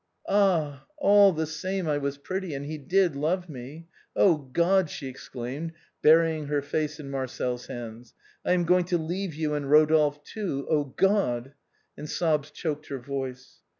Ah! all the same I was pretty and he did love me. Oh, God !" she exclaimed, burying her face in Marcel's hands, " I am going to leave you and Eodolphe too, oh, God !" and sobs choked her voice.